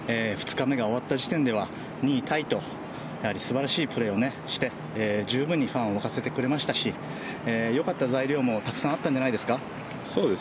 ２日目が終わった時点では２位タイとすばらしいプレーをして十分にファンを沸かせてくれましたし、よかった材料もたくさんあったんじゃないですか？